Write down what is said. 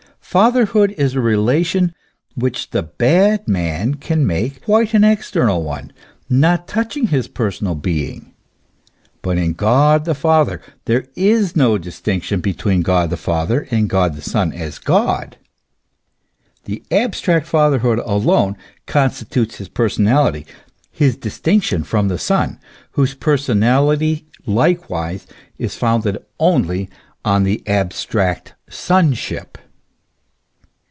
Fatherhood is a relation which the bad man can make quite an external one, not touching his personal being. But in God the Father, there is no distinction between God the Father and God the Son as God; the abstract fatherhood alone constitutes his personality, his distinction from the Son, whose personality likewise is founded only on the abstract sonship.